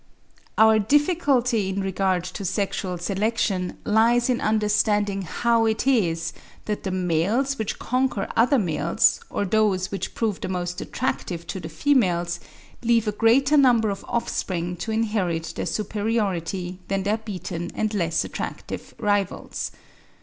Our difficulty in regard to sexual selection lies in understanding how it is that the males which conquer other males, or those which prove the most attractive to the females, leave a greater number of offspring to inherit their superiority than their beaten and less attractive rivals.